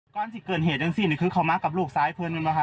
ก้อนสิ่งเกินเหตุจังสิ่งนี้คือเขามากับลูกซ้ายเพื่อนหนึ่งมั้ยฮะ